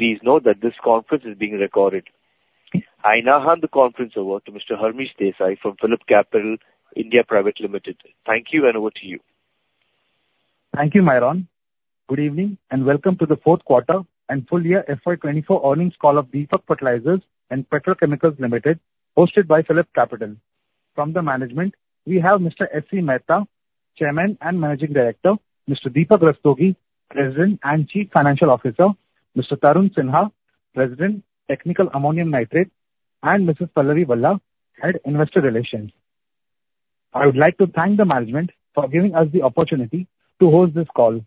Please note that this conference is being recorded. I now hand the conference over to Mr. Harmish Desai from PhillipCapital India Private Limited. Thank you, and over to you. Thank you, Myron. Good evening, and welcome to the fourth quarter and full year FY 2024 earnings call of Deepak Fertilisers and Petrochemicals Limited, hosted by PhillipCapital. From the management, we have Mr. S.C. Mehta, Chairman and Managing Director, Mr. Deepak Rastogi, President and Chief Financial Officer, Mr. Tarun Sinha, President, Technical Ammonium Nitrate, and Mrs. Pallavi Bhai, Head, Investor Relations. I would like to thank the management for giving us the opportunity to host this call.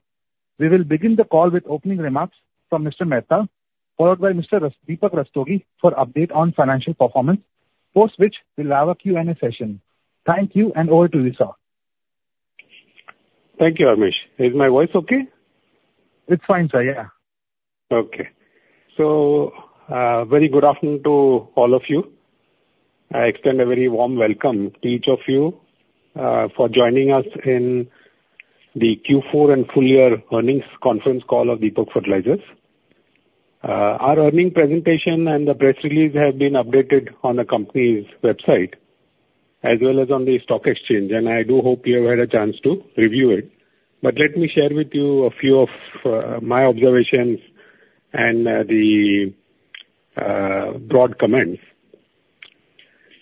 We will begin the call with opening remarks from Mr. Mehta, followed by Mr. Deepak Rastogi for update on financial performance, post which we'll have a Q&A session. Thank you, and over to you, sir. Thank you, Harmish. Is my voice okay? It's fine, sir. Yeah. Okay. So, very good afternoon to all of you. I extend a very warm welcome to each of you for joining us in the Q4 and full year earnings conference call of Deepak Fertilisers. Our earnings presentation and the press release have been updated on the company's website, as well as on the stock exchange, and I do hope you have had a chance to review it. But let me share with you a few of my observations and the broad comments.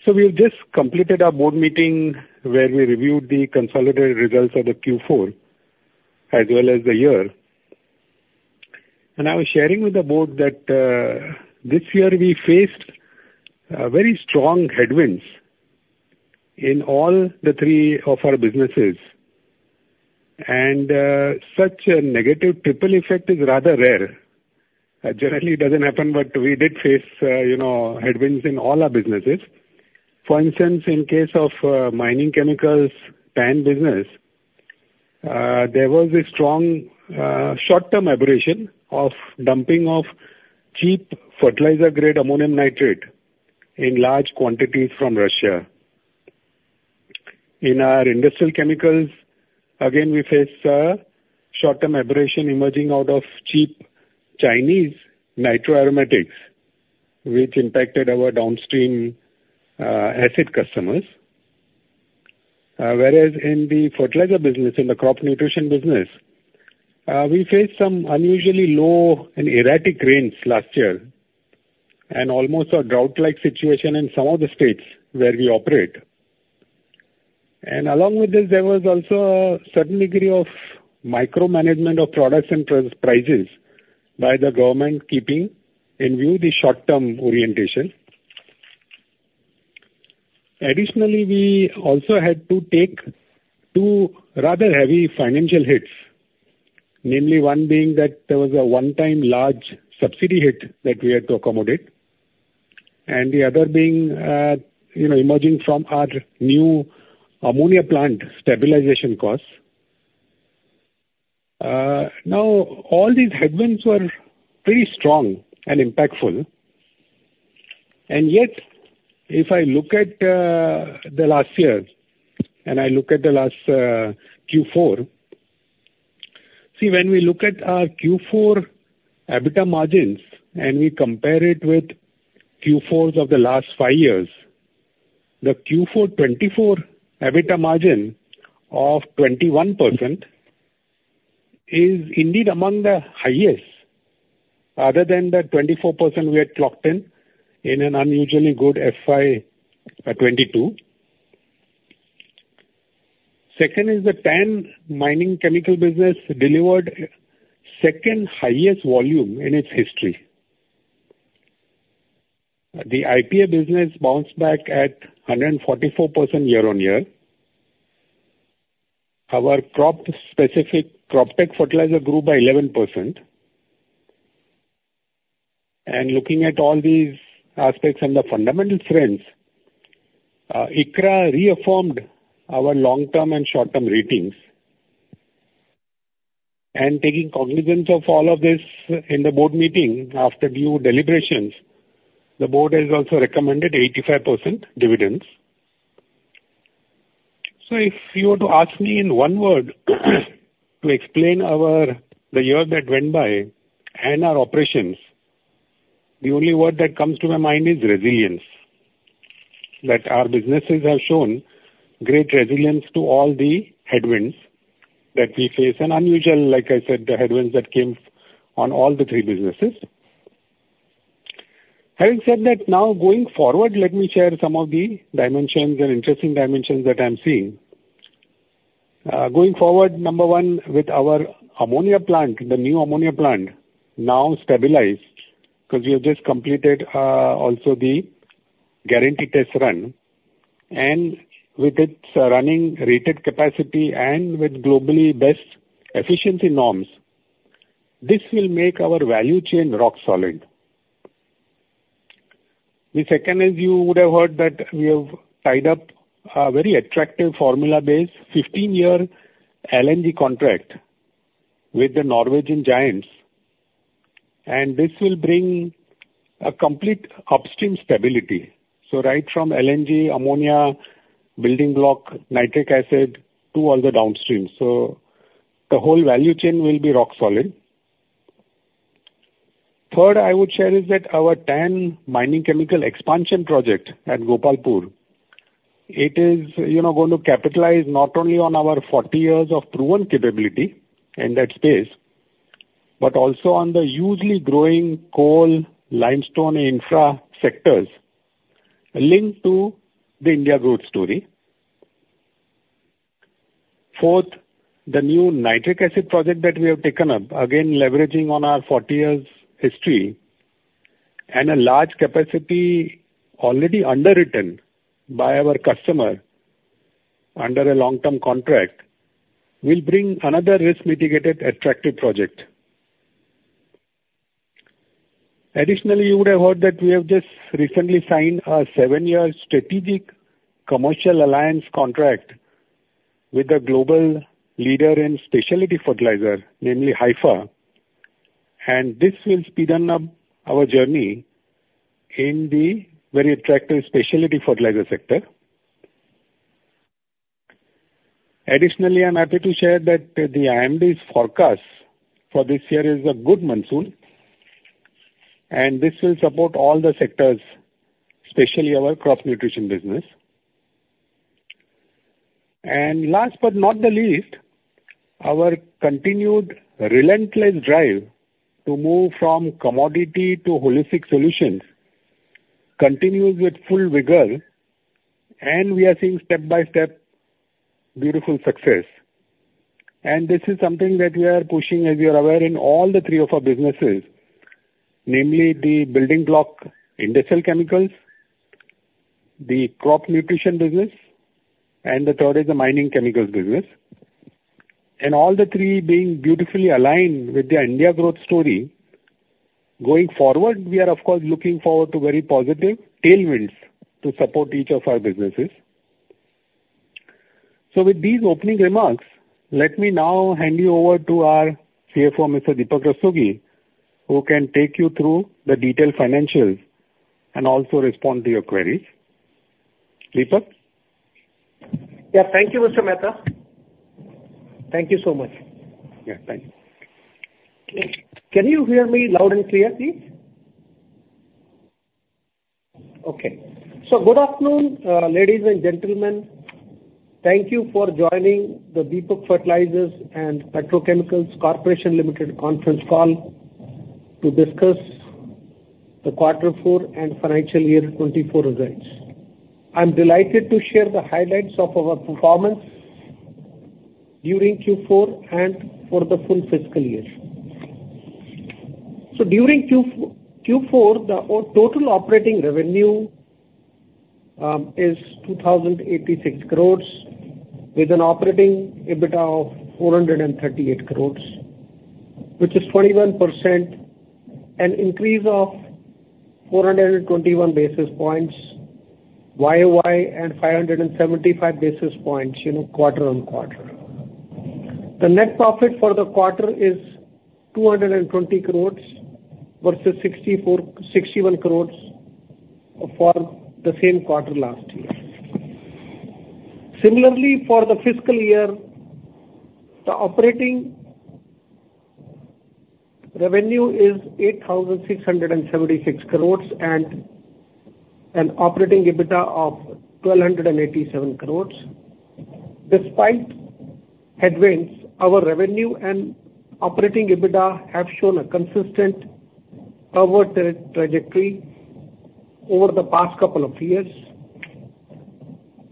So we've just completed our board meeting, where we reviewed the consolidated results of the Q4 as well as the year. And I was sharing with the board that this year we faced very strong headwinds in all the three of our businesses. And such a negative triple effect is rather rare. Generally it doesn't happen, but we did face, you know, headwinds in all our businesses. For instance, in case of mining chemicals TAN business, there was a strong short-term aberration of dumping of cheap fertilizer-grade ammonium nitrate in large quantities from Russia. In our industrial chemicals, again, we faced a short-term aberration emerging out of cheap Chinese nitroaromatics, which impacted our downstream acid customers. Whereas in the fertilizer business, in the crop nutrition business, we faced some unusually low and erratic rains last year and almost a drought-like situation in some of the states where we operate. Along with this, there was also a certain degree of micromanagement of products and prices by the government, keeping in view the short-term orientation. Additionally, we also had to take two rather heavy financial hits. Namely, one being that there was a one-time large subsidy hit that we had to accommodate, and the other being, you know, emerging from our new ammonia plant stabilization costs. Now all these headwinds were pretty strong and impactful, and yet, if I look at the last year, and I look at the last Q4, see, when we look at our Q4 EBITDA margins, and we compare it with Q4s of the last five years, the Q4 2024 EBITDA margin of 21% is indeed among the highest, other than the 24% we had clocked in, in an unusually good FY 2022. Second, is the TAN mining chemical business delivered second highest volume in its history. The IPA business bounced back at 144% year-on-year. Our crop-specific Croptek fertilizer grew by 11%. Looking at all these aspects and the fundamental trends, ICRA reaffirmed our long-term and short-term ratings. Taking cognizance of all of this in the board meeting, after due deliberations, the board has also recommended 85% dividends. If you were to ask me in one word, to explain our, the year that went by and our operations, the only word that comes to my mind is resilience. That our businesses have shown great resilience to all the headwinds that we face, and unusual, like I said, the headwinds that came on all the three businesses. Having said that, now going forward, let me share some of the dimensions and interesting dimensions that I'm seeing. Going forward, number one, with our ammonia plant, the new ammonia plant, now stabilized, because we have just completed also the guarantee test run, and with its running rated capacity and with globally best efficiency norms, this will make our value chain rock solid. The second, as you would have heard, that we have tied up a very attractive formula-based 15-year LNG contract with the Norwegian giants, and this will bring a complete upstream stability. So right from LNG, ammonia, building block, nitric acid to all the downstream. So the whole value chain will be rock solid. Third, I would share is that our TAN mining chemical expansion project at Gopalpur, it is, you know, going to capitalize not only on our 40 years of proven capability in that space, but also on the hugely growing coal, limestone, infra sectors linked to the India growth story. Fourth, the new nitric acid project that we have taken up, again, leveraging on our 40 years history and a large capacity already underwritten by our customer under a long-term contract, will bring another risk mitigated, attractive project. Additionally, you would have heard that we have just recently signed a 7-year strategic commercial alliance contract with a global leader in specialty fertilizer, namely Haifa, and this will speed up our journey in the very attractive specialty fertilizer sector. Additionally, I'm happy to share that the IMD's forecast for this year is a good monsoon, and this will support all the sectors, especially our crop nutrition business. And last but not the least, our continued relentless drive to move from commodity to holistic solutions continues with full vigor, and we are seeing step-by-step beautiful success. This is something that we are pushing, as you are aware, in all the three of our businesses, namely the building block, industrial chemicals, the crop nutrition business, and the third is the mining chemicals business. All the three being beautifully aligned with the India growth story. Going forward, we are of course, looking forward to very positive tailwinds to support each of our businesses. With these opening remarks, let me now hand you over to our CFO, Mr. Deepak Rastogi, who can take you through the detailed financials and also respond to your queries. Deepak? Yeah. Thank you, Mr. Mehta. Thank you so much. Yeah, thank you. Can you hear me loud and clear, please? Okay. Good afternoon, ladies and gentlemen. Thank you for joining the Deepak Fertilisers And Petrochemicals Corporation Limited conference call to discuss the Quarter Four and Financial Year 2024 results. I'm delighted to share the highlights of our performance during Q4 and for the full fiscal year. During Q4, our total operating revenue is 2,086 crores, with an operating EBITDA of 438 crores, which is 21%, an increase of 421 basis points YOY and 575 basis points, you know, quarter on quarter. The net profit for the quarter is 220 crores versus 64.61 crores for the same quarter last year. Similarly, for the fiscal year, the operating revenue is 8,676 crores and an operating EBITDA of 1,287 crores. Despite headwinds, our revenue and operating EBITDA have shown a consistent upward trajectory over the past couple of years.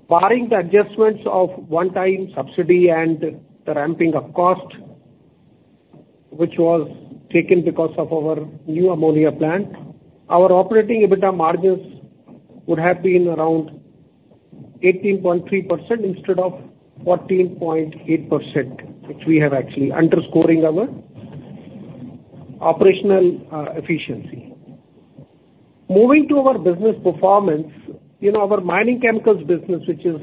Barring the adjustments of one-time subsidy and the ramping of cost, which was taken because of our new ammonia plant, our operating EBITDA margins would have been around 18.3% instead of 14.8%, which we have actually underscoring our operational efficiency. Moving to our business performance, in our mining chemicals business, which is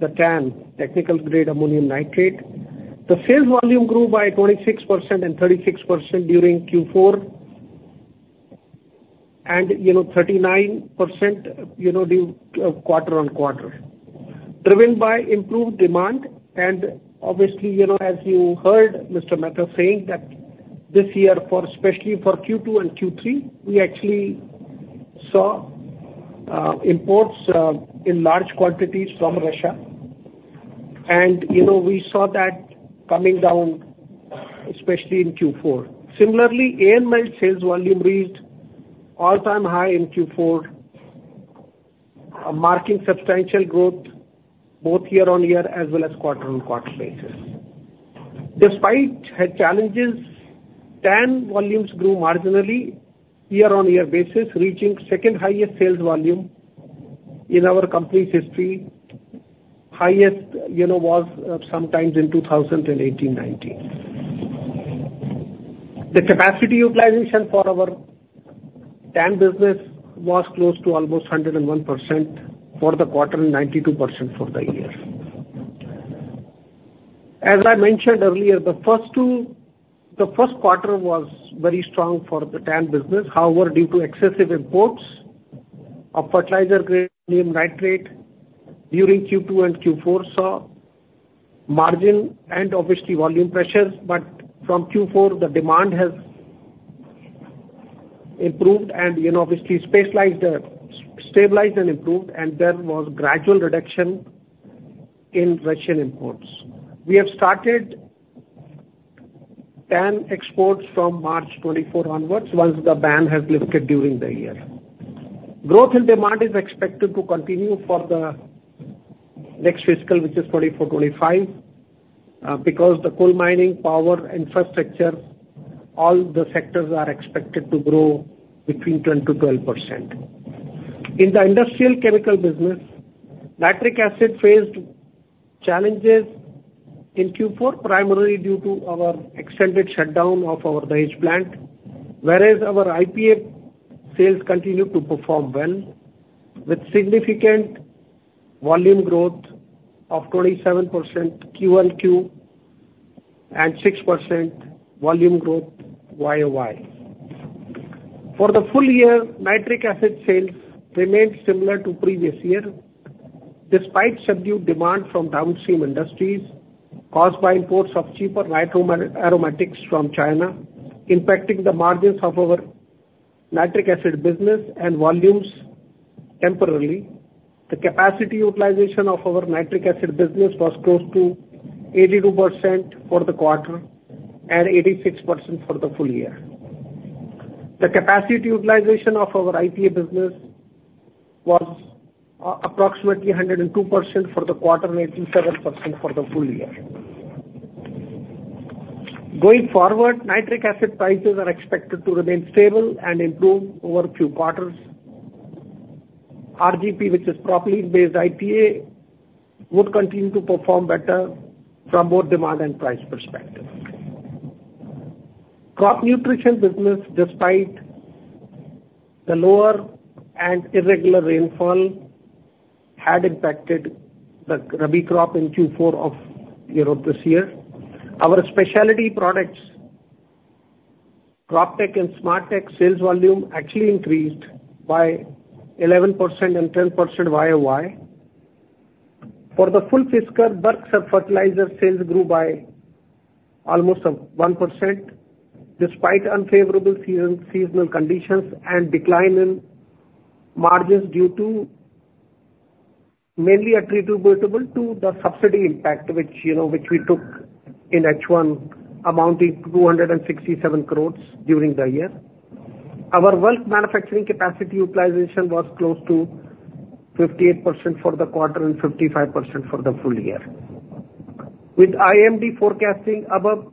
the TAN, technical grade ammonium nitrate, the sales volume grew by 26% and 36% during Q4, and you know, 39%, you know, quarter-on-quarter. Driven by improved demand, and obviously, you know, as you heard Mr. Mehta saying that this year, for, especially for Q2 and Q3, we actually saw imports in large quantities from Russia. And, you know, we saw that coming down, especially in Q4. Similarly, AN melt sales volume reached all-time high in Q4, marking substantial growth both year-on-year as well as quarter-on-quarter basis. Despite head challenges, TAN volumes grew marginally year-on-year basis, reaching second highest sales volume in our company's history. Highest, you know, was sometimes in 2018, 2019. The capacity utilization for our TAN business was close to almost 101% for the quarter and 92% for the year. As I mentioned earlier, the first two, the first quarter was very strong for the TAN business. However, due to excessive imports of fertilizer-grade ammonium nitrate during Q2 and Q4, saw margin and obviously volume pressures. From Q4, the demand has improved and, you know, obviously, stabilized, stabilized and improved, and there was gradual reduction in Russian imports. We have started TAN exports from March 2024 onwards, once the ban has lifted during the year. Growth in demand is expected to continue for the next fiscal, which is 2024-25, because the coal mining, power, infrastructure, all the sectors are expected to grow between 10%-12%. In the industrial chemical business, nitric acid faced challenges in Q4, primarily due to our extended shutdown of our Dahej plant, whereas our IPA sales continued to perform well, with significant volume growth of 27% QoQ, and 6% volume growth YOY. For the full year, nitric acid sales remained similar to previous year, despite subdued demand from downstream industries caused by imports of cheaper nitroaromatics from China, impacting the margins of our nitric acid business and volumes temporarily. The capacity utilization of our nitric acid business was close to 82% for the quarter and 86% for the full year. The capacity utilization of our IPA business was approximately a hundred and two percent for the quarter and 87% for the full year. Going forward, nitric acid prices are expected to remain stable and improve over a few quarters. RGP, which is propylene-based IPA, would continue to perform better from both demand and price perspective. Crop nutrition business, despite the lower and irregular rainfall, had impacted the Rabi crop in Q4 of, you know, this year. Our specialty products, Croptek and Smartek sales volume actually increased by 11% and 10% YOY. For the full fiscal, bulk self-fertilizer sales grew by almost 1%, despite unfavorable seasonal conditions and decline in margins due to mainly attributable to the subsidy impact, which, you know, which we took in H1, amounting 267 crore during the year. Our bulk manufacturing capacity utilization was close to 58% for the quarter and 55% for the full year. With IMD forecasting above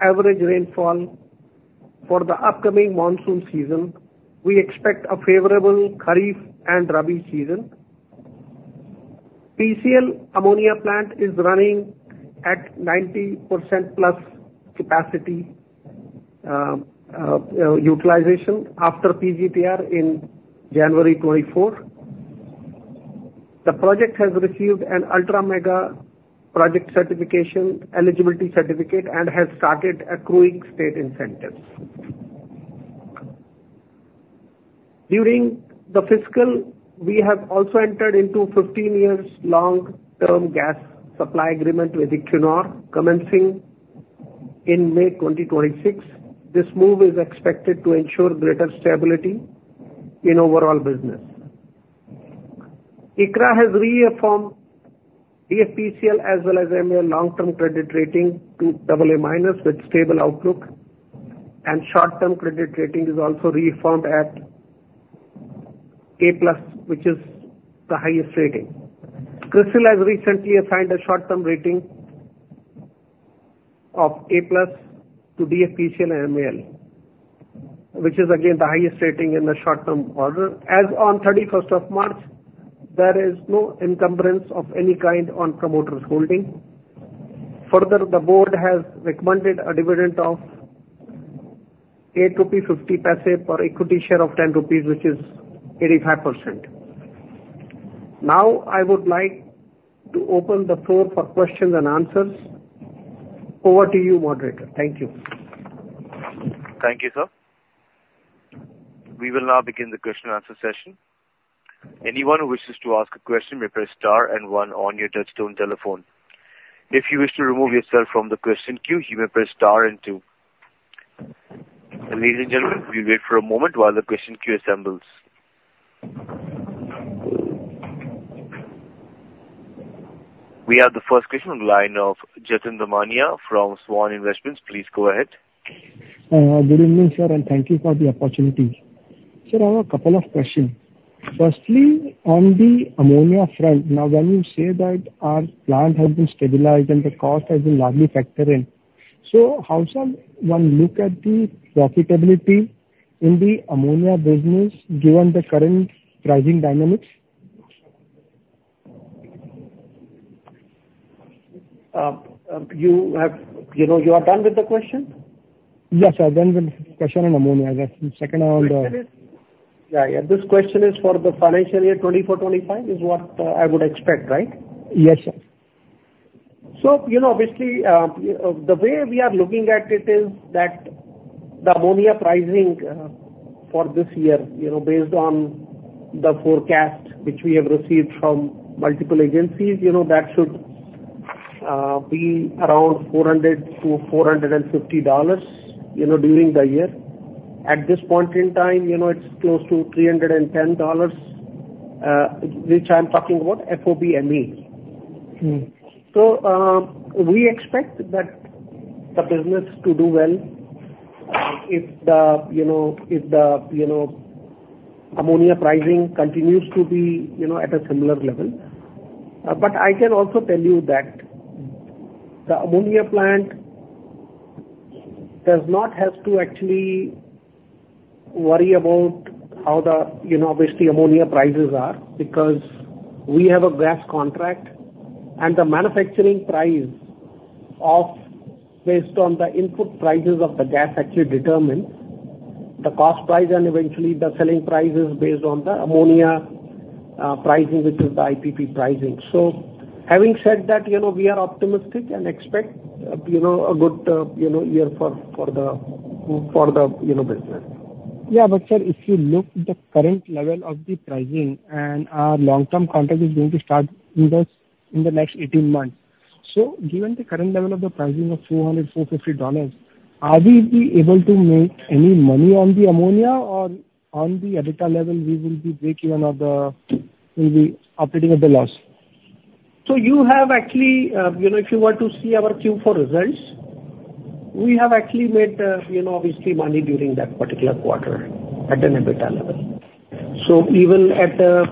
average rainfall for the upcoming monsoon season, we expect a favorable kharif and rabi season. DFPCL ammonia plant is running at 90% plus capacity utilization after PGTR in January 2024. The project has received an ultra mega project certification, eligibility certificate, and has started accruing state incentives. During the fiscal, we have also entered into 15 years long-term gas supply agreement with Equinor, commencing in May 2026. This move is expected to ensure greater stability in overall business. ICRA has reaffirmed DFPCL as well as AMIL long-term credit rating to AA- with stable outlook, and short-term credit rating is also reaffirmed at A1+, which is the highest rating. CRISIL has recently assigned a short-term rating of A1+ to DFPCL and AMIL, which is again the highest rating in the short-term order. As on 31st of March, there is no encumbrance of any kind on promoters holding. Further, the board has recommended a dividend of 8.50 rupees per equity share of 10 rupees, which is 85%. Now, I would like to open the floor for questions and answers. Over to you, moderator. Thank you. Thank you, sir. We will now begin the question and answer session. Anyone who wishes to ask a question may press star and one on your touchtone telephone. If you wish to remove yourself from the question queue, you may press star and two. Ladies and gentlemen, we wait for a moment while the question queue assembles. We have the first question on the line of Jatin Damania from SVAN Investments. Please go ahead. Good evening, sir, and thank you for the opportunity. Sir, I have a couple of questions. Firstly, on the ammonia front, now, when you say that our plant has been stabilized and the cost has been largely factored in, so how does one look at the profitability in the ammonia business, given the current pricing dynamics? You have... You know, you are done with the question? Yes, sir. Done with the question on ammonia. The second on the- ...Yeah, yeah. This question is for the financial year 2024, 2025, is what I would expect, right? Yes, sir. You know, obviously, the way we are looking at it is that the ammonia pricing for this year, you know, based on the forecast which we have received from multiple agencies, you know, that should be around $400-$450, you know, during the year. At this point in time, you know, it's close to $310, which I'm talking about FOB ME. Mm. So, we expect that the business to do well, if you know, ammonia pricing continues to be, you know, at a similar level. But I can also tell you that the ammonia plant does not have to actually worry about how the, you know, obviously, ammonia prices are, because we have a gas contract, and the manufacturing price of... Based on the input prices of the gas, actually determine the cost price, and eventually, the selling price is based on the ammonia pricing, which is the IPP pricing. So having said that, you know, we are optimistic and expect, you know, a good, you know, year for the business. Yeah, but sir, if you look at the current level of the pricing and our long-term contract is going to start in the next 18 months. So given the current level of the pricing of $400-$450, are we be able to make any money on the ammonia, or on the EBITDA level, we will be breaking even, or we'll be operating at a loss? So you have actually, you know, if you were to see our Q4 results, we have actually made, you know, obviously, money during that particular quarter at an EBITDA level. So even at the,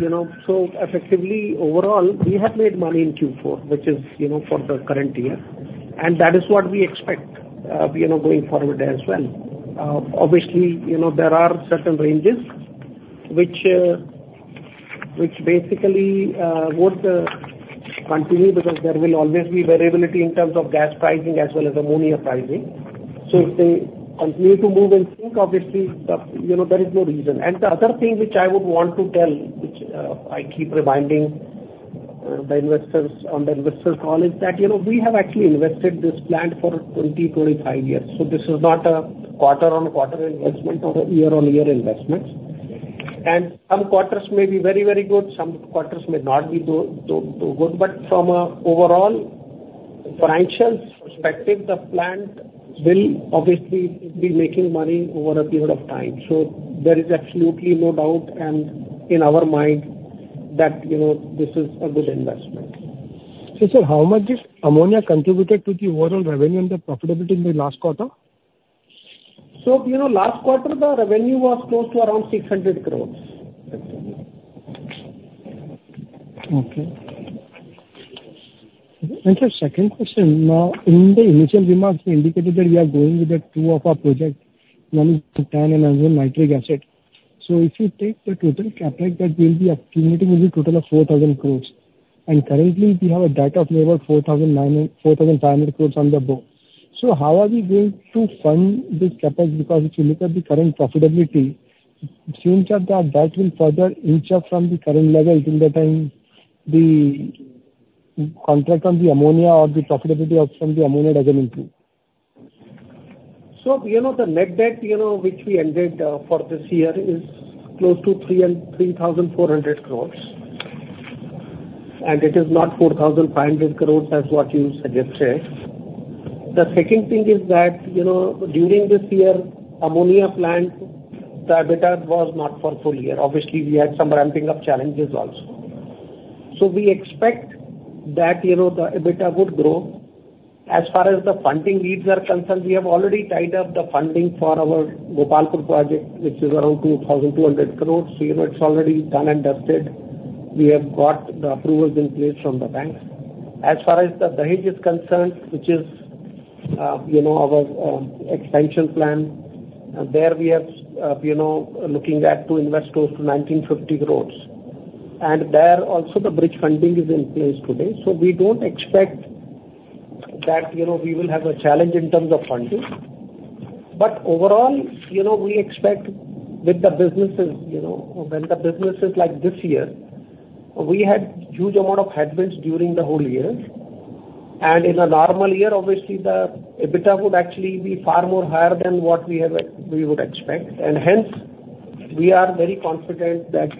you know, so effectively, overall, we have made money in Q4, which is, you know, for the current year, and that is what we expect, you know, going forward as well. Obviously, you know, there are certain ranges which basically would continue, because there will always be variability in terms of gas pricing as well as ammonia pricing. So if they continue to move in sync, obviously, you know, there is no reason. And the other thing which I would want to tell, which, I keep reminding the investors on the investors call, is that, you know, we have actually invested this plant for 25 years. So this is not a quarter-on-quarter investment or a year-on-year investment. And some quarters may be very, very good, some quarters may not be good, do good. But from an overall financial perspective, the plant will obviously be making money over a period of time. So there is absolutely no doubt, and in our mind, that, you know, this is a good investment. Sir, how much is ammonia contributed to the overall revenue and the profitability in the last quarter? You know, last quarter, the revenue was close to around 600 crore. Okay. Sir, second question. Now, in the initial remarks, you indicated that we are going with the 2 of our project, one is the TAN and another nitric acid. So if you take the total CapEx, that will be accumulating will be total of 4,000 crore. And currently, we have a debt of about 4,500 crore on the book. So how are we going to fund this CapEx? Because if you look at the current profitability, it seems that the debt will further inch up from the current level during the time the contract on the ammonia or the profitability of some the ammonia doesn't improve. So you know, the net debt, you know, which we ended for this year, is close to 3,300 crores, and it is not 4,500 crores, as what you suggested. The second thing is that, you know, during this year, ammonia plant, the EBITDA was not for full year. Obviously, we had some ramping up challenges also. So we expect that, you know, the EBITDA would grow. As far as the funding needs are concerned, we have already tied up the funding for our Gopalpur project, which is around 2,200 crores. So, you know, it's already done and dusted. We have got the approvals in place from the banks. As far as the Dahej is concerned, which is, you know, our, expansion plan, there we have, you know, looking at to invest close to 1,950 crores. And there also, the bridge funding is in place today. So we don't expect that, you know, we will have a challenge in terms of funding. But overall, you know, we expect with the businesses, you know, when the businesses like this year, we had huge amount of headwinds during the whole year. And in a normal year, obviously, the EBITDA would actually be far more higher than what we have, we would expect, and hence we are very confident that,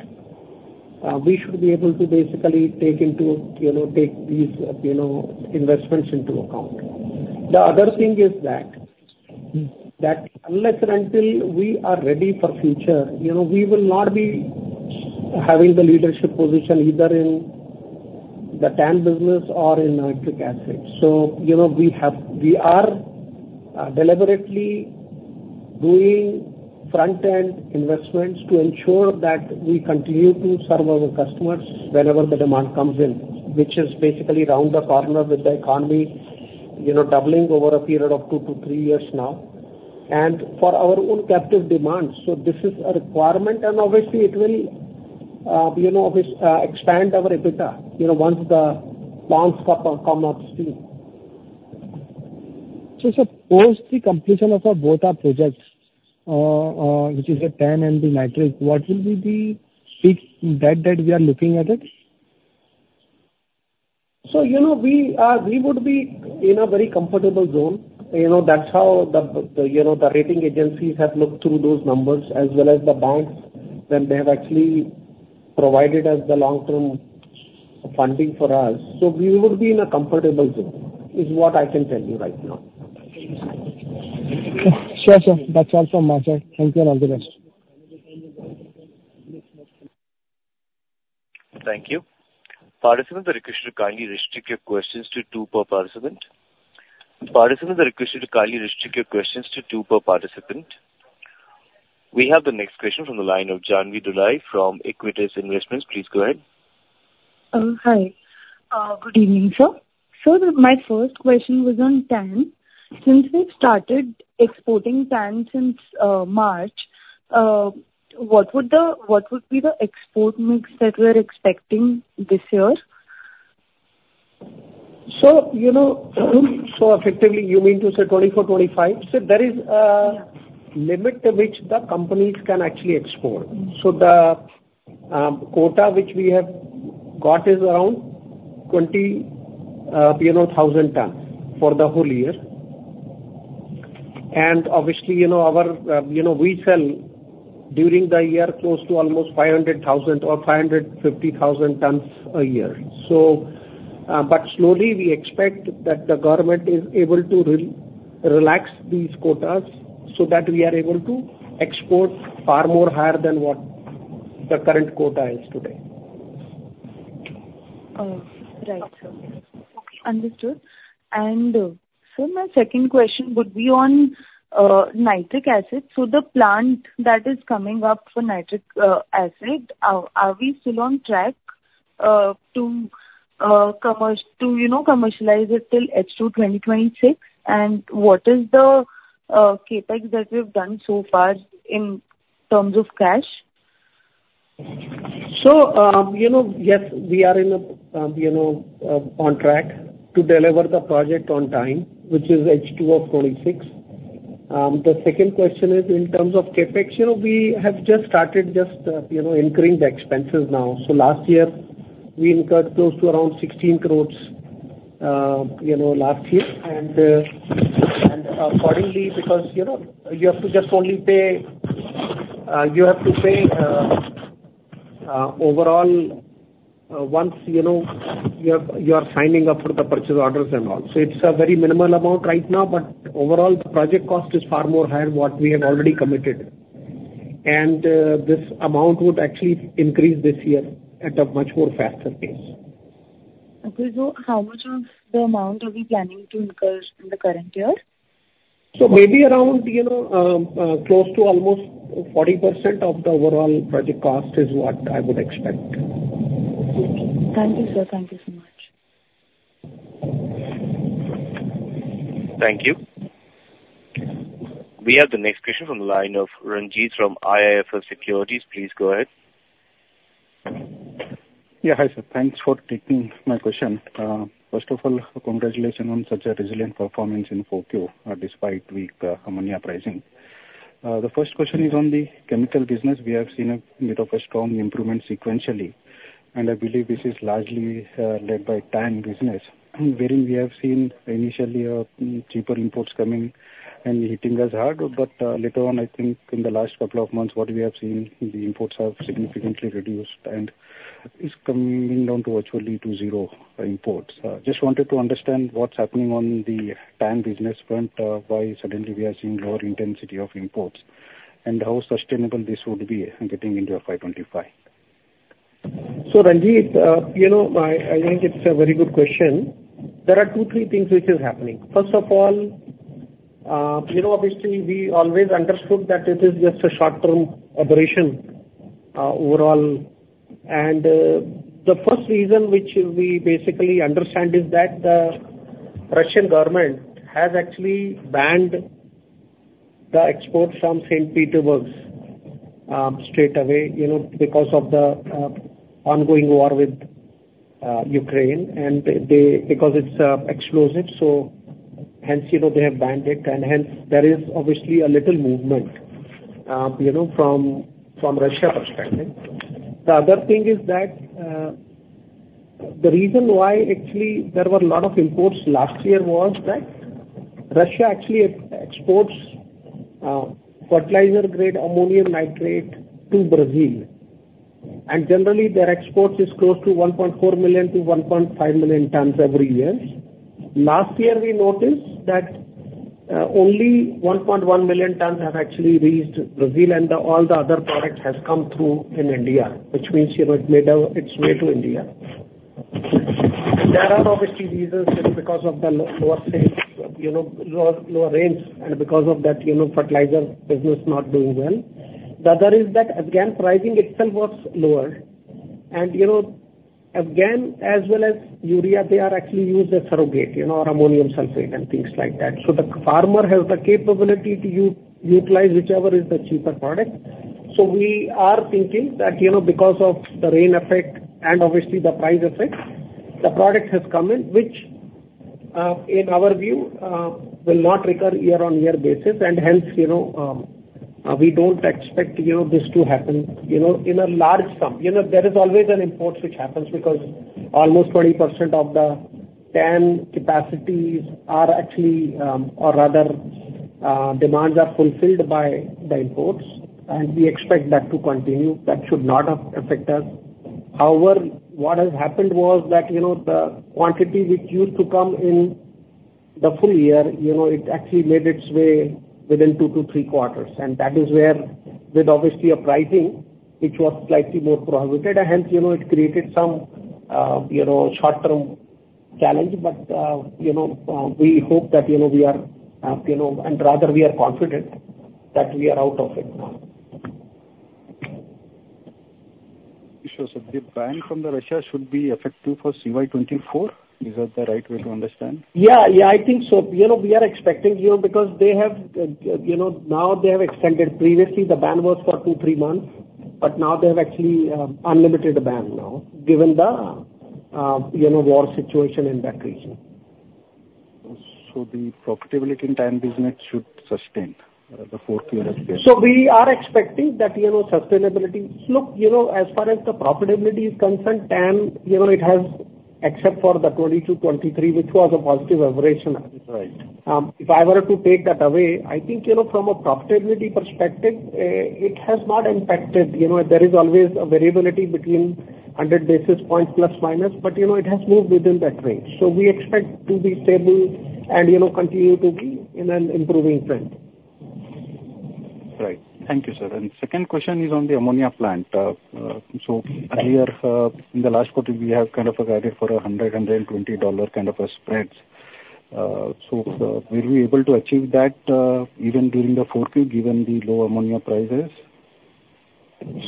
we should be able to basically take into, you know, take these, you know, investments into account. The other thing is that- Mm. that unless and until we are ready for future, you know, we will not be having the leadership position either in the TAN business or in nitric acid. So, you know, we have we are, deliberately doing front-end investments to ensure that we continue to serve our customers whenever the demand comes in, which is basically around the corner with the economy, you know, doubling over a period of 2-3 years now, and for our own captive demands. So this is a requirement, and obviously, it will, you know, expand our EBITDA, you know, once the plants start to come up to speed.... So, sir, post the completion of both our projects, which is the TAN and the nitric, what will be the peak debt that we are looking at it? So, you know, we, we would be in a very comfortable zone. You know, that's how the, you know, the rating agencies have looked through those numbers as well as the banks, then they have actually provided us the long-term funding for us. So we would be in a comfortable zone, is what I can tell you right now. Sure, sir. That's all from my side. Thank you, and all the best. Thank you. Participants are requested to kindly restrict your questions to two per participant. Participants are requested to kindly restrict your questions to two per participant. We have the next question from the line of Janhavi Prabhu from Equitas Investments. Please go ahead. Hi. Good evening, sir. So my first question was on TAN. Since we've started exporting TAN since March, what would be the export mix that we're expecting this year? So, you know, so effectively, you mean to say 24, 25? So there is a- Yeah. limit to which the companies can actually export. Mm-hmm. So the quota which we have got is around 20,000 tons for the whole year. And obviously, you know, our, you know, we sell during the year close to almost 500,000 or 550,000 tons a year. So... But slowly, we expect that the government is able to relax these quotas so that we are able to export far more higher than what the current quota is today. Right, sir. Understood. And, sir, my second question would be on nitric acid. So the plant that is coming up for nitric acid, are we still on track to commence, you know, commercialize it till H2 2026? And what is the CapEx that we've done so far in terms of cash? So, you know, yes, we are in a, you know, on track to deliver the project on time, which is H2 of 2026. The second question is in terms of CapEx, you know, we have just started just, you know, incurring the expenses now. So last year, we incurred close to around 16 crore, you know, last year. And, and accordingly, because, you know, you have to just only pay, you have to pay, overall, once, you know, you have, you are signing up for the purchase orders and all. So it's a very minimal amount right now, but overall, the project cost is far more higher than what we have already committed. And, this amount would actually increase this year at a much more faster pace. Okay. So how much of the amount are we planning to incur in the current year? Maybe around, you know, close to almost 40% of the overall project cost is what I would expect. Thank you, sir. Thank you so much. Thank you. We have the next question from the line of Ranjit from IIFL Securities. Please go ahead. Yeah, hi, sir. Thanks for taking my question. First of all, congratulations on such a resilient performance in 4Q, despite weak ammonia pricing. The first question is on the chemical business. We have seen a bit of a strong improvement sequentially, and I believe this is largely, led by TAN business, wherein we have seen initially, cheaper imports coming and hitting us hard. But, later on, I think in the last couple of months, what we have seen, the imports have significantly reduced and is coming down to virtually to zero imports. Just wanted to understand what's happening on the TAN business front, why suddenly we are seeing lower intensity of imports, and how sustainable this would be getting into FY 25. So, Ranjit, you know, I think it's a very good question. There are two, three things which is happening. First of all, you know, obviously, we always understood that this is just a short-term aberration, overall. And the first reason which we basically understand is that the Russian government has actually banned the export from St. Petersburg, straight away, you know, because of the ongoing war with Ukraine, and because it's explosive, so hence, you know, they have banned it, and hence there is obviously a little movement, you know, from Russia perspective. The other thing is that, the reason why actually there were a lot of imports last year was that Russia actually exports fertilizer-grade ammonium nitrate to Brazil, and generally, their export is close to 1.4 million-1.5 million tons every year. Last year, we noticed that only 1.1 million tons have actually reached Brazil, and all the other products has come through in India, which means, you know, it made its way to India. There are obviously reasons because of the lower sales, you know, lower rains, and because of that, you know, fertilizer business not doing well. The other is that AN pricing itself was lower. And, you know, AN as well as urea, they are actually used as surrogate, you know, or ammonium sulfate and things like that. So the farmer has the capability to utilize whichever is the cheaper product. So we are thinking that, you know, because of the rain effect and obviously the price effect, the product has come in, which, in our view, will not recur year-on-year basis, and hence, you know, we don't expect, you know, this to happen, you know, in a large sum. You know, there is always an import which happens, because almost 20% of the TAN demands are fulfilled by the imports, and we expect that to continue. That should not affect us. However, what has happened was that, you know, the quantity which used to come in the full year, you know, it actually made its way within 2-3 quarters, and that is where with obviously a pricing, which was slightly more prohibitive, and hence, you know, it created some, you know, short-term challenge. But, you know, we hope that, you know, we are, you know, and rather we are confident that we are out of it now. So the ban from Russia should be effective for CY 2024? Is that the right way to understand? Yeah, yeah, I think so. You know, we are expecting, you know, because they have, you know, now they have extended. Previously, the ban was for 2-3 months, but now they have actually unlimited the ban now, given the, you know, war situation in that region. So the profitability in TAN business should sustain the fourth quarter as well? So we are expecting that, you know, sustainability... Look, you know, as far as the profitability is concerned, TAN, you know, it has, except for the 2020-2023, which was a positive aberration. Right. If I were to take that away, I think, you know, from a profitability perspective, it has not impacted. You know, there is always a variability between ±100 basis points, but, you know, it has moved within that range. So we expect to be stable and, you know, continue to be in an improving trend. Right. Thank you, sir. And second question is on the ammonia plant. So earlier, in the last quarter, we have kind of a guided for $100-$120 kind of a spreads. So, will you be able to achieve that, even during the fourth Q, given the low ammonia prices?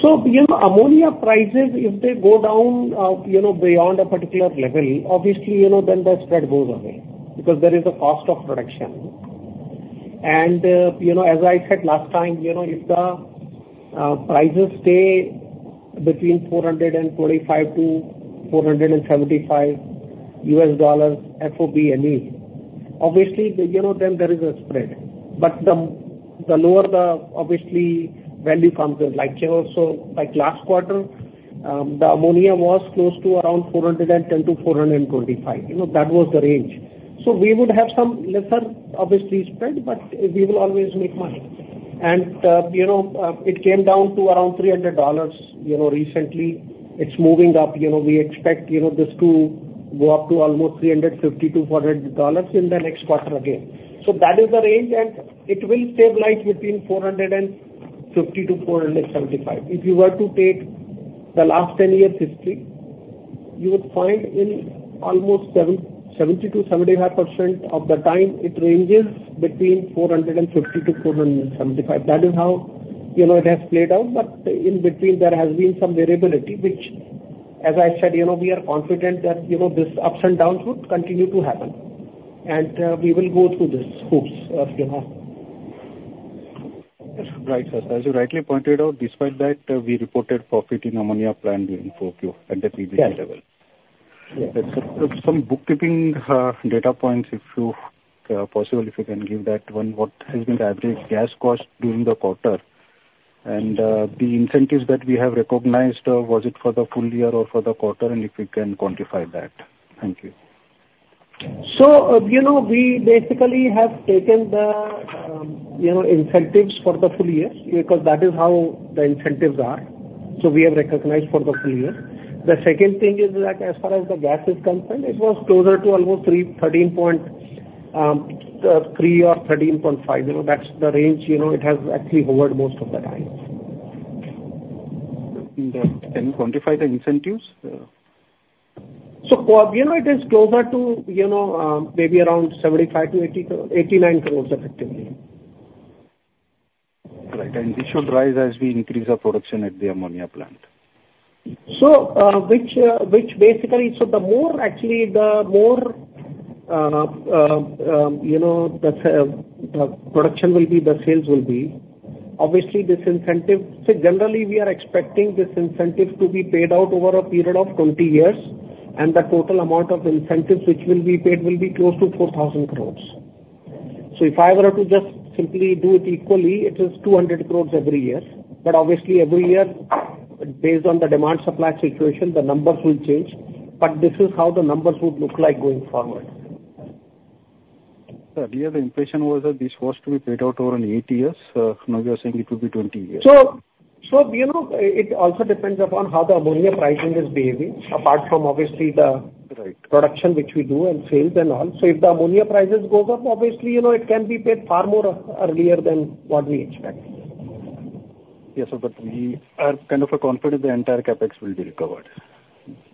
So, you know, ammonia prices, if they go down, you know, beyond a particular level, obviously, you know, then the spread goes away, because there is a cost of production. And, you know, as I said last time, you know, if the, prices stay between $425-$475 FOB ME, obviously, you know, then there is a spread. But the, the lower the obviously value comes in, like, you know, so like last quarter, the ammonia was close to around $410-$425. You know, that was the range. So we would have some lesser obviously spread, but we will always make money. And, you know, it came down to around $300, you know, recently. It's moving up. You know, we expect, you know, this to go up to almost $350-$400 in the next quarter again. So that is the range, and it will stabilize between $450-$475. If you were to take the last 10 years' history, you would find in almost 70%-75% of the time, it ranges between $450-$475. That is how, you know, it has played out, but in between, there has been some variability, which, as I said, you know, we are confident that, you know, this ups and downs would continue to happen, and we will go through this course of, you know. Right, sir. As you rightly pointed out, despite that, we reported profit in ammonia plant during the fourth Q at the EBITDA level. Yes. Some bookkeeping data points, if possible, if you can give that one, what has been the average gas cost during the quarter? And, the incentives that we have recognized, was it for the full year or for the quarter, and if we can quantify that. Thank you. So, you know, we basically have taken the, you know, incentives for the full year, because that is how the incentives are. So we have recognized for the full year. The second thing is that as far as the gas is concerned, it was closer to almost 313.3-313.5. You know, that's the range, you know, it has actually hovered most of the time. Can you quantify the incentives? You know, it is closer to, you know, maybe around 75 to 80 to 89 crores, effectively. Right. And this should rise as we increase our production at the ammonia plant. So, which basically... So the more actually, the more, you know, the production will be, the sales will be, obviously, this incentive... So generally, we are expecting this incentive to be paid out over a period of 20 years, and the total amount of incentives which will be paid will be close to 4,000 crores. So if I were to just simply do it equally, it is 200 crores every year. But obviously every year, based on the demand-supply situation, the numbers will change. But this is how the numbers would look like going forward. Sir, we had the impression was that this was to be paid out over in 8 years. Now you are saying it will be 20 years. So, you know, it also depends upon how the ammonia pricing is behaving, apart from obviously the- Right... production which we do and sales and all. So if the ammonia prices goes up, obviously, you know, it can be paid far more earlier than what we expect. Yes, sir, but we are kind of confident the entire CapEx will be recovered.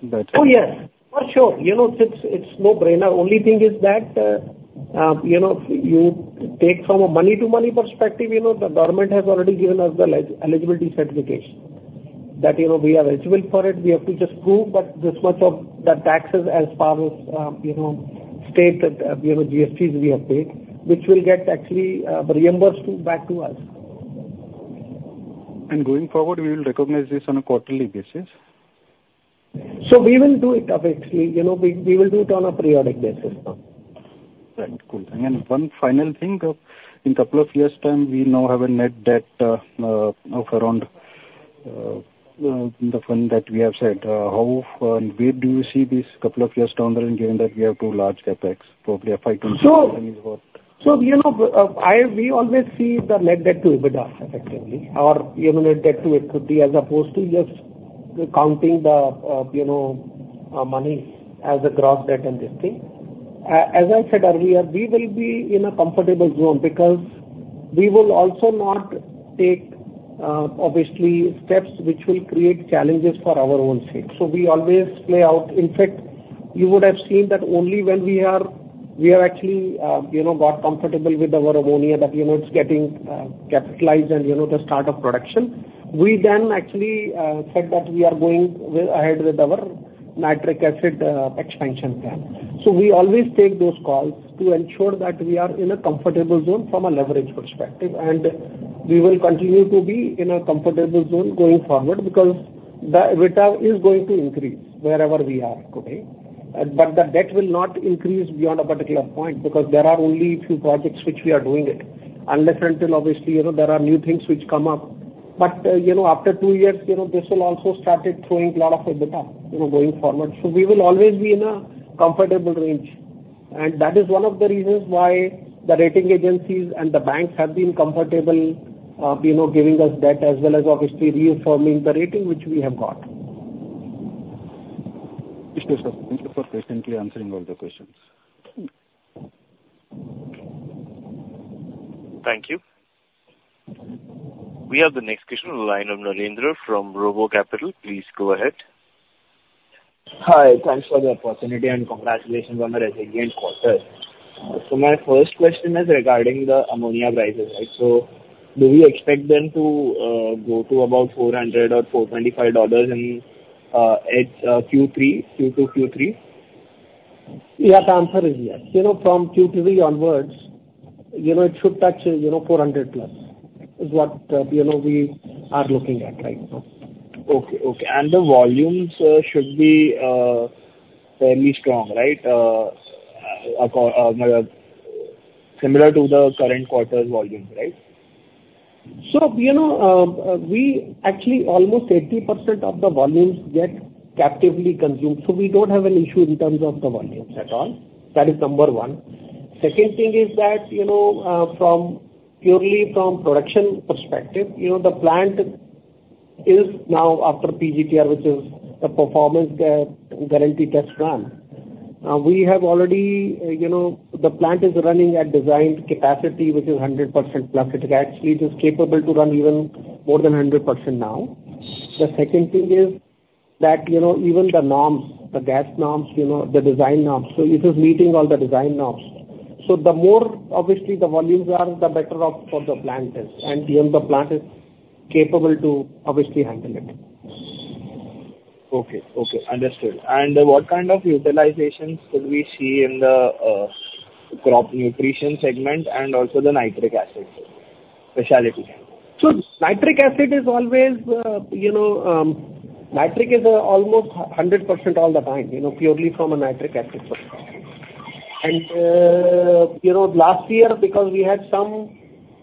That's- Oh, yes, for sure. You know, it's no-brainer. Only thing is that, you know, you take from a money-to-money perspective, you know, the government has already given us the eligibility certification that, you know, we are eligible for it. We have to just prove that this much of the taxes as far as, you know, state, you know, GSTs we have paid, which will get actually reimbursed back to us. Going forward, we will recognize this on a quarterly basis? We will do it, obviously. You know, we will do it on a periodic basis now. Right. Cool. And one final thing. In a couple of years' time, we now have a net debt of around the funds that we have said. How and where do you see this couple of years down the line, given that we have two large CapEx, probably a five to- So, so you know, we always see the net debt to EBITDA, effectively, or even net debt to EBITDA, as opposed to just counting the, you know, money as a gross debt and this thing. As I said earlier, we will be in a comfortable zone because we will also not take, obviously, steps which will create challenges for our own sake. So we always play out... In fact, you would have seen that only when we are, we are actually, you know, got comfortable with our ammonia, that, you know, it's getting, capitalized and, you know, the start of production. We then actually, said that we are going ahead with our nitric acid, expansion plan. So we always take those calls to ensure that we are in a comfortable zone from a leverage perspective. And we will continue to be in a comfortable zone going forward because the EBITDA is going to increase wherever we are today. But the debt will not increase beyond a particular point, because there are only a few projects which we are doing it. Unless until, obviously, you know, there are new things which come up. But, you know, after two years, you know, this will also started throwing a lot of EBITDA, you know, going forward. So we will always be in a comfortable range. And that is one of the reasons why the rating agencies and the banks have been comfortable, you know, giving us debt as well as obviously reaffirming the rating which we have got. Thank you, sir. Thank you for patiently answering all the questions. Thank you. Thank you. We have the next question on the line of Narendra from Robo Capital. Please go ahead. Hi. Thanks for the opportunity, and congratulations on the resilient quarter. So my first question is regarding the ammonia prices. So do we expect them to go to about $400 or $425 in Q2, Q3? Yeah, the answer is yes. You know, from Q3 onwards, you know, it should touch, you know, 400+, is what we are looking at right now. Okay. Okay. And the volumes should be fairly strong, right? Similar to the current quarter's volumes, right? So, you know, we actually almost 80% of the volumes get captively consumed, so we don't have an issue in terms of the volumes at all. That is number one. Second thing is that, you know, purely from production perspective, you know, the plant is now after PGTR, which is a performance guarantee test run. We have already, you know, the plant is running at designed capacity, which is 100% plus. It actually is capable to run even more than 100% now. The second thing is that, you know, even the norms, the gas norms, you know, the design norms, so it is meeting all the design norms. So the more, obviously, the volumes are, the better off for the plant is, and then the plant is capable to obviously handle it. Okay. Okay, understood. What kind of utilizations could we see in the crop nutrition segment and also the nitric acid specialty? So nitric acid is always, you know, nitric is almost 100% all the time, you know, purely from a nitric acid perspective. And, you know, last year, because we had some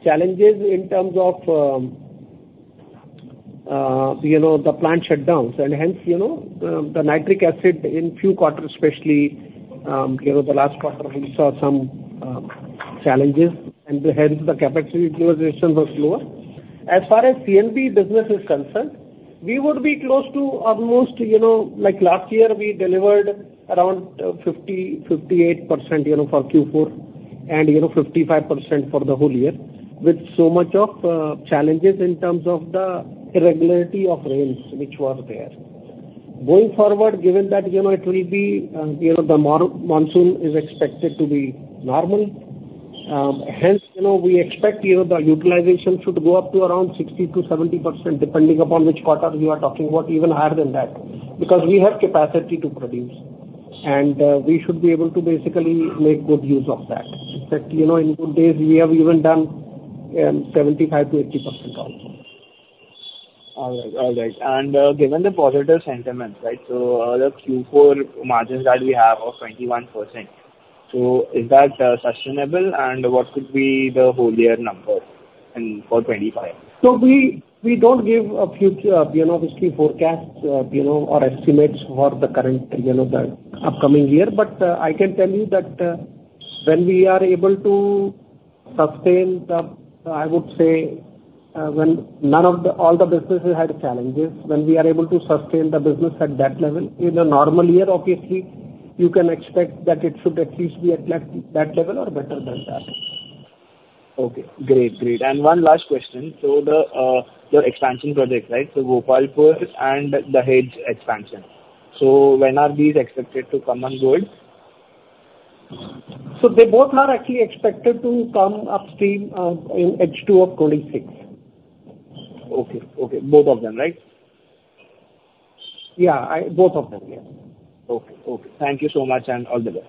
challenges in terms of, you know, the plant shutdowns, and hence, you know, the, the nitric acid in few quarters, especially, you know, the last quarter, we saw some, challenges, and hence the capacity utilization was lower. As far as CNA business is concerned, we would be close to almost, you know, like last year, we delivered around 50, 58%, you know, for Q4, and you know, 55% for the whole year, with so much of, challenges in terms of the irregularity of rains which were there. Going forward, given that, you know, it will be, you know, the monsoon is expected to be normal, hence, you know, we expect, you know, the utilization should go up to around 60%-70%, depending upon which quarter we are talking about, even higher than that, because we have capacity to produce, and, we should be able to basically make good use of that. Except, you know, in good days, we have even done, 75%-80% also. All right. All right. Given the positive sentiment, right, so, the Q4 margins that we have of 21%, so is that sustainable? And what could be the whole year number in, for 2025? So we don't give a future, you know, basically forecast, you know, or estimates for the current, you know, the upcoming year. But I can tell you that, when we are able to sustain the... I would say, when all the businesses had challenges, when we are able to sustain the business at that level, in a normal year, obviously, you can expect that it should at least be at le- that level or better than that. Okay, great, great. And one last question: so the expansion project, right, the Gopalpur first and the Dahej expansion. So when are these expected to come on board? ...So they both are actually expected to come upstream, in H2 of 2026. Okay. Okay, both of them, right? Yeah, both of them, yes. Okay. Okay. Thank you so much, and all the best.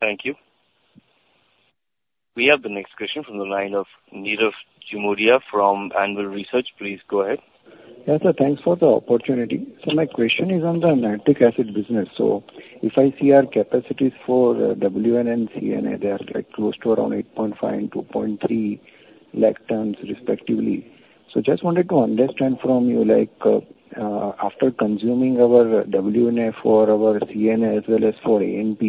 Thank you. We have the next question from the line of Nirav Jimudia from Anvil Research. Please go ahead. Yes, sir. Thanks for the opportunity. So my question is on the nitric acid business. So if I see our capacities for WNA and CNA, they are, like, close to around 8.5, 2.3 lakh tons respectively. So just wanted to understand from you, like, after consuming our WNA for our CNA as well as for ANP,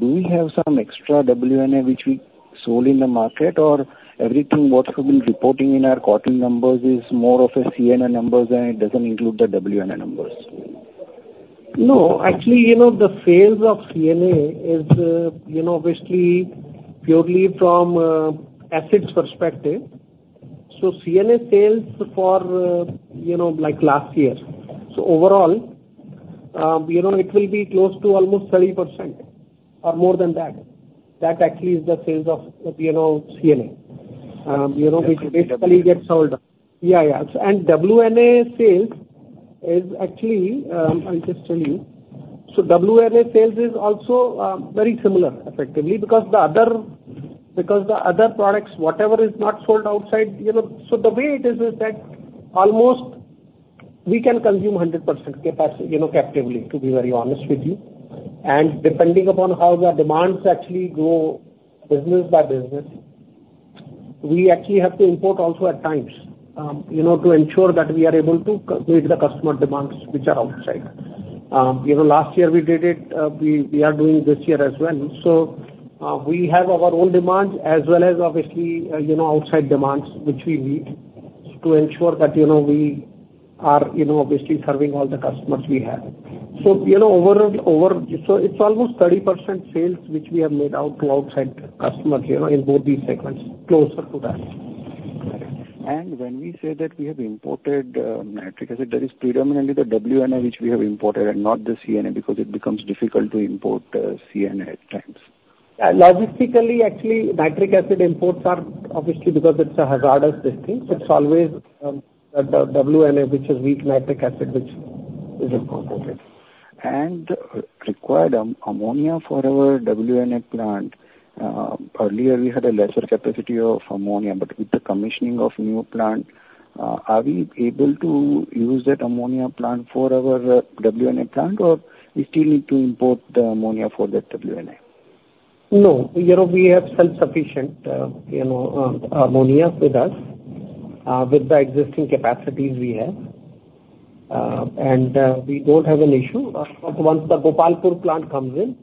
do we have some extra WNA which we sold in the market? Or everything what we've been reporting in our quarterly numbers is more of a CNA numbers, and it doesn't include the WNA numbers. No, actually, you know, the sales of CNA is, you know, obviously purely from, assets perspective. So CNA sales for, you know, like last year. So overall, you know, it will be close to almost 30% or more than that. That actually is the sales of, you know, CNA. You know, which basically gets sold. Yeah. Yeah, yeah. And WNA sales is actually, I'll just tell you. So WNA sales is also, very similar, effectively, because the other, because the other products, whatever is not sold outside, you know. So the way it is, is that almost we can consume 100% capacity, you know, captively, to be very honest with you. And depending upon how the demands actually grow business by business, we actually have to import also at times, you know, to ensure that we are able to meet the customer demands which are outside. You know, last year we did it, we are doing this year as well. So, we have our own demands as well as obviously, you know, outside demands, which we meet to ensure that, you know, we are, you know, obviously serving all the customers we have. So, you know, overall, so it's almost 30% sales, which we have made out to outside customers, you know, in both these segments, closer to that. When we say that we have imported nitric acid, that is predominantly the WNA which we have imported and not the CNA, because it becomes difficult to import CNA at times. Logistically, actually, nitric acid imports are obviously because it's a hazardous thing. It's always, the WNA, which is weak nitric acid, which is imported. Required ammonia for our WNA plant. Earlier we had a lesser capacity of ammonia, but with the commissioning of new plant, are we able to use that ammonia plant for our WNA plant, or we still need to import the ammonia for that WNA? No. You know, we have self-sufficient, you know, ammonia with us, with the existing capacities we have. And, we don't have an issue. Once the Gopalpur plant comes in,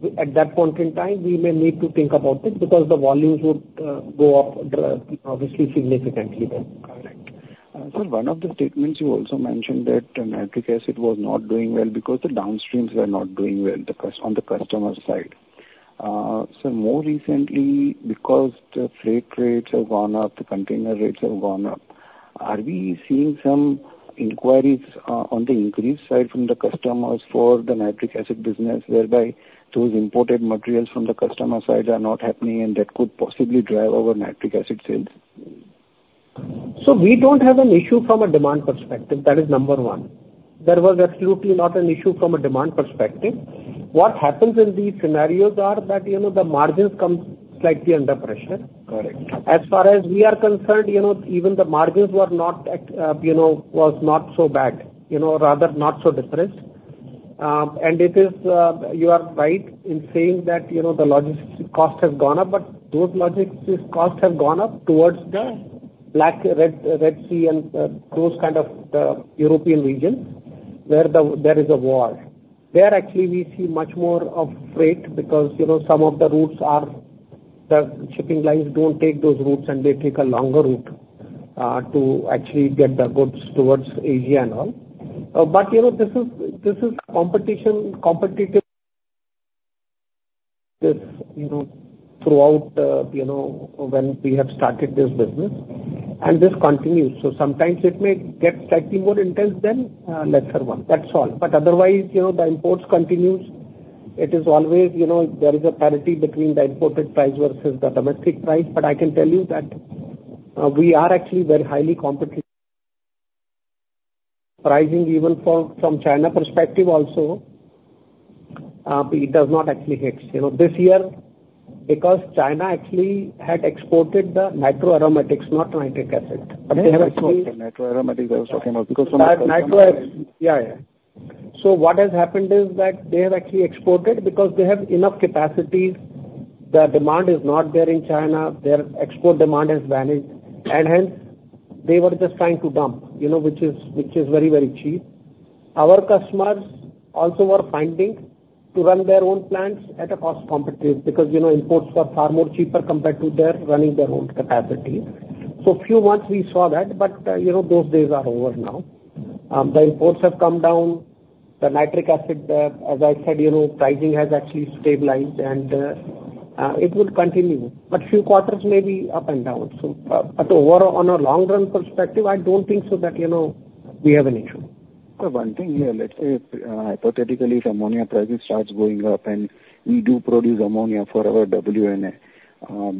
we, at that point in time, we may need to think about it, because the volumes would go up, obviously, significantly then. Correct. So one of the statements you also mentioned that Nitric Acid was not doing well because the downstreams were not doing well, the customers on the customer side. So more recently, because the freight rates have gone up, the container rates have gone up, are we seeing some inquiries on the increase side from the customers for the Nitric Acid business, whereby those imported materials from the customer side are not happening and that could possibly drive our Nitric Acid sales? So we don't have an issue from a demand perspective, that is number one. There was absolutely not an issue from a demand perspective. What happens in these scenarios are that, you know, the margins come slightly under pressure. Correct. As far as we are concerned, you know, even the margins were not at, you know, was not so bad, you know, rather not so depressed. And it is, you are right in saying that, you know, the logistics cost has gone up, but those logistics costs have gone up towards the Black Sea, Red Sea and those kind of European regions where there is a war. There, actually, we see much more of freight because, you know, some of the routes are, the shipping lines don't take those routes, and they take a longer route to actually get the goods towards Asia and all. But, you know, this is, this is competition, competitive, you know, throughout, you know, when we have started this business, and this continues. So sometimes it may get slightly more intense than lesser one. That's all. But otherwise, you know, the imports continues. It is always, you know, there is a parity between the imported price versus the domestic price. But I can tell you that, we are actually very highly competitive pricing, even from China perspective also, it does not actually hit. You know, this year, because China actually had exported the nitroaromatics, not nitric acid, but they have actually- Nitroaromatics, I was talking about because from- Yeah, yeah. So what has happened is that they have actually exported because they have enough capacity. The demand is not there in China. Their export demand has vanished, and hence, they were just trying to dump, you know, which is, which is very, very cheap. Our customers also were finding to run their own plants at a cost competitive, because, you know, imports were far more cheaper compared to their running their own capacity. So few months we saw that, but, you know, those days are over now. The imports have come down, the nitric acid, as I said, you know, pricing has actually stabilized, and, it will continue, but few quarters may be up and down. So, but overall, on a long-run perspective, I don't think so that, you know, we have an issue. So one thing here, let's say, hypothetically, if ammonia prices starts going up, and we do produce ammonia for our WNA,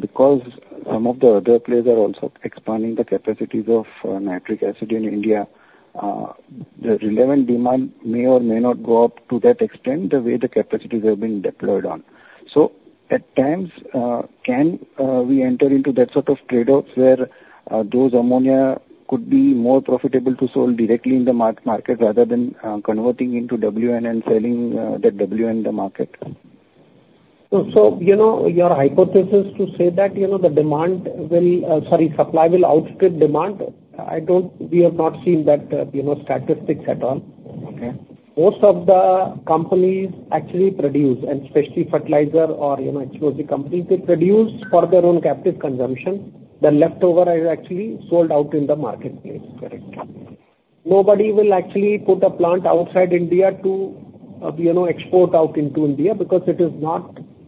because some of the other players are also expanding the capacities of, nitric acid in India, the relevant demand may or may not go up to that extent, the way the capacities are being deployed on. So at times, can we enter into that sort of trade-offs, where, those ammonia could be more profitable to sell directly in the market, rather than, converting into WNA and selling, that WNA in the market? So, you know, your hypothesis to say that, you know, the demand will, sorry, supply will outstrip demand. I don't—we have not seen that, you know, statistics at all. Okay. Most of the companies actually produce, and especially fertilizer or, you know, HFC company, they produce for their own captive consumption. The leftover is actually sold out in the marketplace, correct. Nobody will actually put a plant outside India to, you know, export out into India because it is not,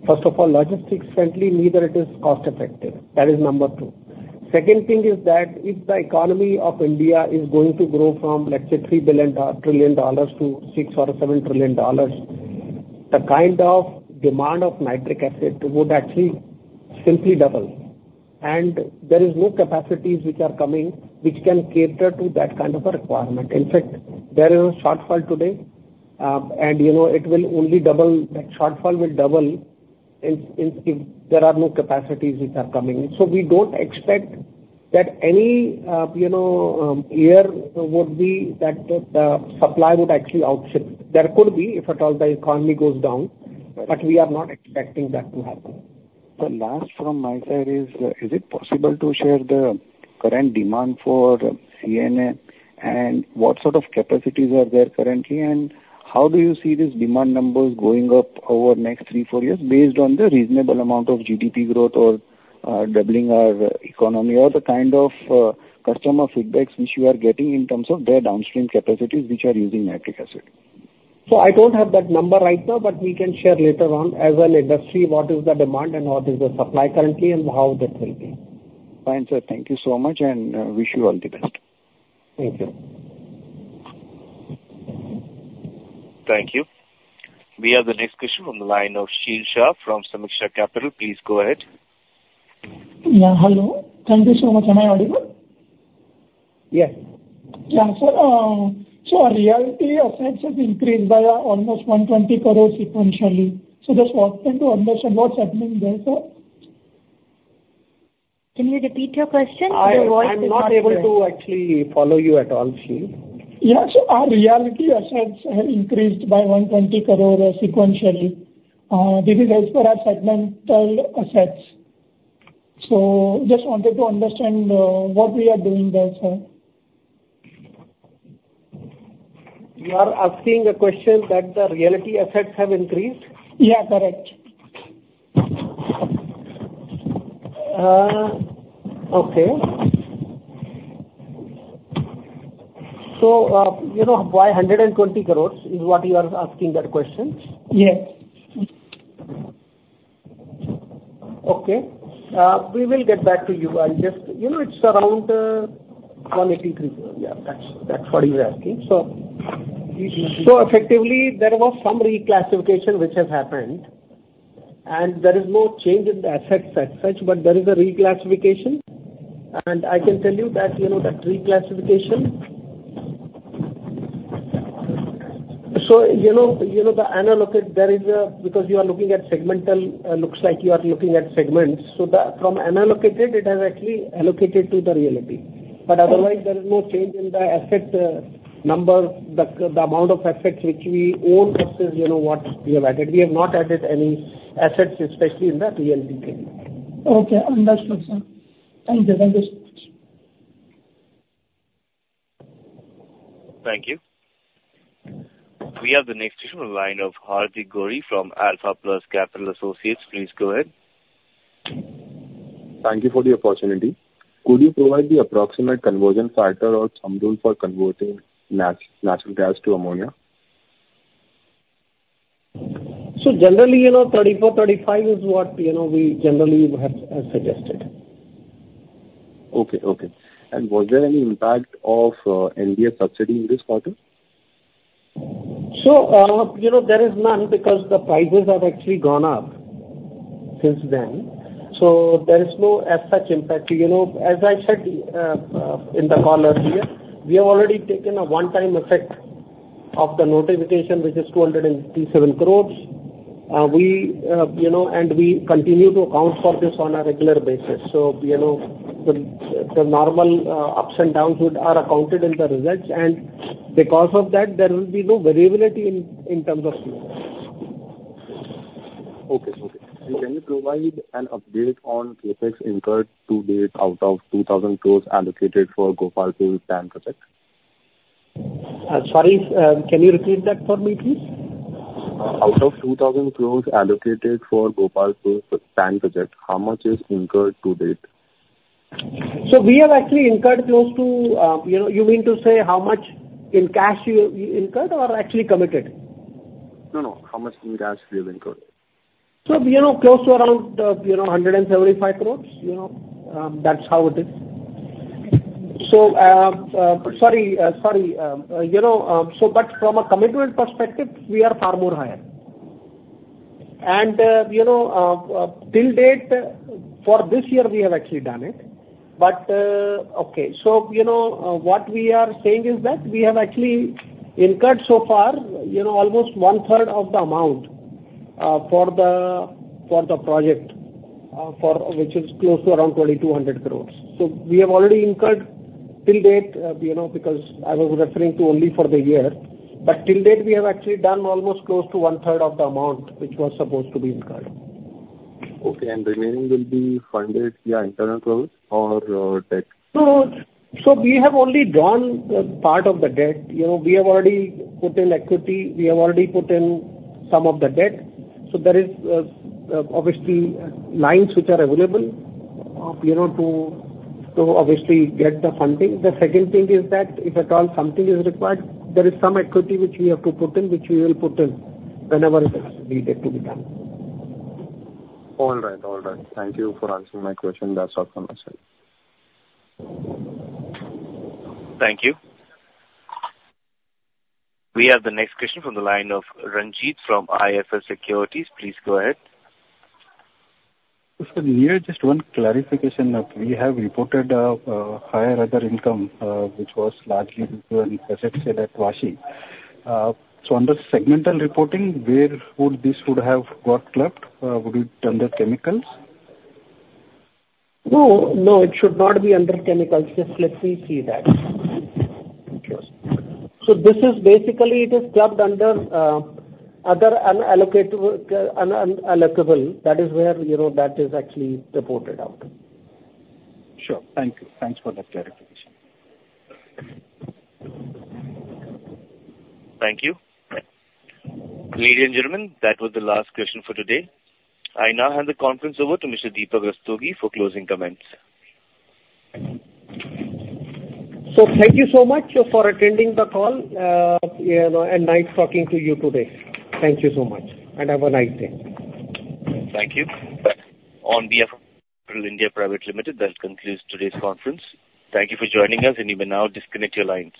first of all, logistics friendly, neither it is cost effective. That is number two. Second thing is that if the economy of India is going to grow from, let's say, $3 trillion to $6-$7 trillion, the kind of demand of nitric acid would actually simply double. And there is no capacities which are coming, which can cater to that kind of a requirement. In fact, there is a shortfall today, and, you know, it will only double, that shortfall will double if there are no capacities which are coming in. So we don't expect that any, you know, year would be that the supply would actually outstrip. There could be, if at all the economy goes down, but we are not expecting that to happen. The last from my side is, is it possible to share the current demand for CNA and what sort of capacities are there currently, and how do you see these demand numbers going up over the next 3-4 years based on the reasonable amount of GDP growth or, doubling our economy or the kind of, customer feedbacks which you are getting in terms of their downstream capacities which are using nitric acid? I don't have that number right now, but we can share later on as an industry, what is the demand and what is the supply currently and how that will be. Fine, sir. Thank you so much, and wish you all the best. Thank you. Thank you. We have the next question on the line of Sheel Shah from Samiksha Capital. Please go ahead. Yeah, hello. Thank you so much. Am I audible? Yes. Yeah, so, so realty assets has increased by almost 120 crore sequentially. So just wanted to understand what's happening there, sir? Can you repeat your question? The voice is not clear. I, I'm not able to actually follow you at all, Sahil. Yeah. So our realty assets have increased by 120 crore sequentially. This is as per our segmental assets. So just wanted to understand what we are doing there, sir. You are asking the question that the realty assets have increased? Yeah, correct. Okay. So, you know, why 120 crore is what you are asking that question? Yes. Okay. We will get back to you. I'll just... You know, it's around 180 crore. Yeah, that's, that's what he's asking. So, so effectively, there was some reclassification which has happened, and there is no change in the assets as such, but there is a reclassification. And I can tell you that, you know, that reclassification... So you know, you know, the unallocated there is a, because you are looking at segmental, looks like you are looking at segments, so the, from unallocated, it has actually allocated to the realty. But otherwise, there is no change in the asset, number. The, the amount of assets which we own versus, you know, what we have added. We have not added any assets, especially in the realty. Okay, understood, sir. Thank you. Thank you so much. Thank you. We have the next question on the line of Hardik Gori from Alpha Plus Capital Associates. Please go ahead. Thank you for the opportunity. Could you provide the approximate conversion factor or some rule for converting natural gas to ammonia? Generally, you know, 34, 35 is what, you know, we generally have suggested. Okay, okay. And was there any impact of India subsidy in this quarter? So, you know, there is none because the prices have actually gone up since then. So there is no as such impact. You know, as I said, in the call earlier, we have already taken a one-time effect of the notification, which is 287 crore. We, you know, and we continue to account for this on a regular basis. So, you know, the normal ups and downs are accounted in the results, and because of that, there will be no variability in terms of sales. Okay. Okay. Can you provide an update on CapEx incurred to date out of 2,000 crores allocated for Gopalpur TAN project? Sorry, can you repeat that for me, please? Out of 2,000 crore allocated for Gopalpur TAN project, how much is incurred to date? ...So we have actually incurred close to, you know, you mean to say how much in cash you incurred or actually committed? No, no. How much in cash we have incurred? So, you know, close to around 175 crore, you know, that's how it is. So, sorry, sorry, you know, so but from a commitment perspective, we are far more higher. And, you know, till date, for this year, we have actually done it. But, okay, so, you know, what we are saying is that we have actually incurred so far, you know, almost one third of the amount, for the, for the project, for which is close to around 2,200 crore. So we have already incurred till date, you know, because I was referring to only for the year, but till date, we have actually done almost close to one third of the amount, which was supposed to be incurred. Okay, and remaining will be funded via internal growth or debt? So, so we have only drawn a part of the debt. You know, we have already put in equity. We have already put in some of the debt. So there is, obviously, lines which are available, you know, to, to obviously get the funding. The second thing is that if at all funding is required, there is some equity which we have to put in, which we will put in whenever it is needed to be done. All right, all right. Thank you for answering my question. That's all from my side. Thank you. We have the next question from the line of Ranjit from IIFL Securities. Please go ahead. Mr. Nir, just one clarification that we have reported higher other income, which was largely due to an asset sale at Vashi. So under segmental reporting, where would this would have got clubbed? Would it under chemicals? No, no, it should not be under chemicals. Just let me see that. Okay. So this is basically. It is clubbed under other unallocated, unallocable. That is where, you know, that is actually reported out. Sure. Thank you. Thanks for the clarification. Thank you. Ladies and gentlemen, that was the last question for today. I now hand the conference over to Mr. Deepak Rastogi for closing comments. So thank you so much for attending the call, you know, and nice talking to you today. Thank you so much, and have a nice day. Thank you. On behalf of Deepak Fertilizers and Petrochemicals Corporation Limited, that concludes today's conference. Thank you for joining us, and you may now disconnect your lines.